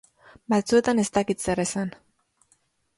Batzuetan ez dakit zer esan.